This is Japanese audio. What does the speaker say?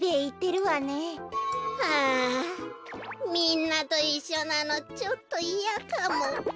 はあみんなといっしょなのちょっといやかも。